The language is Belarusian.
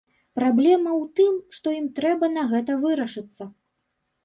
Праблема ў тым, што ім трэба на гэта вырашыцца.